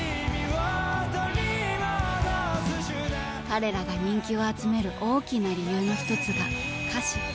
彼らが人気を集める大きな理由の一つが歌詞。